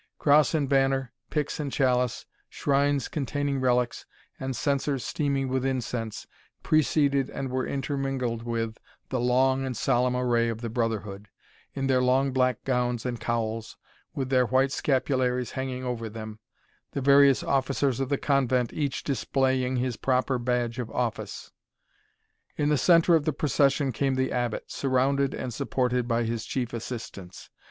Cross and banner, pix and chalice, shrines containing relics, and censers steaming with incense, preceded and were intermingled with the long and solemn array of the brotherhood, in their long black gowns and cowls, with their white scapularies hanging over them, the various officers of the convent each displaying his proper badge of office. In the centre of the procession came the Abbot, surrounded and supported by his chief assistants.